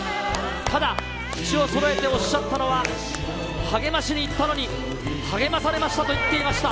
ただ、口をそろえておっしゃったのは、励ましに行ったのに、励まされとおっしゃっていました。